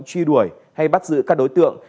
truy đuổi hay bắt giữ các đối tượng